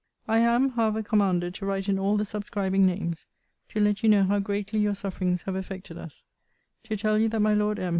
I am, however, commanded to write in all the subscribing names, to let you know how greatly your sufferings have affected us: to tell you that my Lord M.